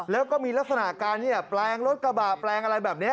แล้วก็มีลักษณะการแปลงรถกระบะแปลงอะไรแบบนี้